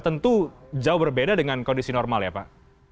tentu jauh berbeda dengan kondisi normal ya pak